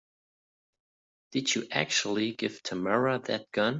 Did you actually give Tamara that gun?